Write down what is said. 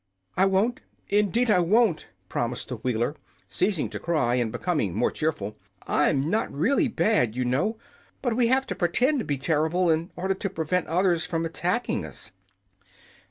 "I won't indeed I won't!" promised the Wheeler, ceasing to cry and becoming more cheerful. "I'm not really bad, you know; but we have to pretend to be terrible in order to prevent others from attacking us."